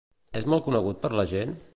És molt conegut per la gent?